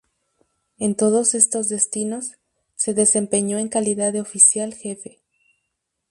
En todos estos destinos, se desempeñó en calidad de oficial jefe.